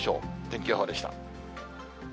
天気予報でした。